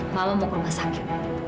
mau ke rumah sakit